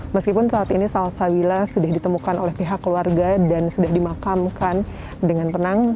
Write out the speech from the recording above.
meskipun saat ini salsawila sudah ditemukan oleh pihak keluarga dan sudah dimakamkan dengan tenang